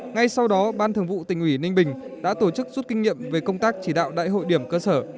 ngay sau đó ban thường vụ tỉnh ủy ninh bình đã tổ chức suốt kinh nghiệm về công tác chỉ đạo đại hội điểm cơ sở